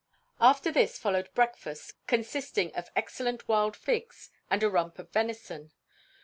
After this followed breakfast, consisting of excellent wild figs and a rump of venison.